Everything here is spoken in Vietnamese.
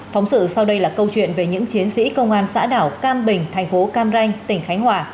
phóng sự sau đây là câu chuyện về những chiến sĩ công an xã đảo cam bình thành phố cam ranh tỉnh khánh hòa